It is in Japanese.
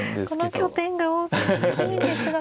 この拠点が大きいんですが。